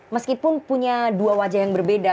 meskipun punya dua wajah yang berbeda